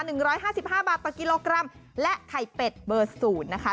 หนึ่งร้อยห้าสิบห้าบาทต่อกิโลกรัมและไข่เป็ดเบอร์ศูนย์นะคะ